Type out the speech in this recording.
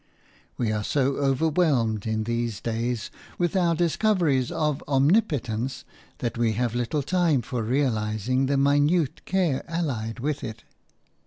We are so overwhelmed, in these days, with our discoveries of omnipotence that we have little time for realizing the minute care allied with it.